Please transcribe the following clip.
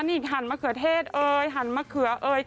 นี่หั่นมะเขือเทศหั่นมะเขือ